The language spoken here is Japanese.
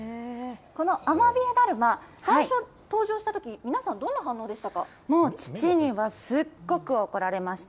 このアマビエだるま、最初、登場したとき、皆さん、どんな反応でもう父にはすっごく怒られました。